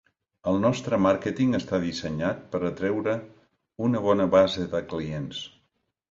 El nostre màrqueting està dissenyat per atreure una bona base de clients.